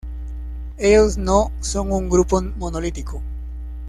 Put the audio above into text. Ellos no son un grupo monolítico.